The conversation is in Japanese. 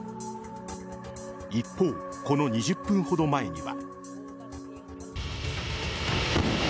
一方、この２０分ほど前には。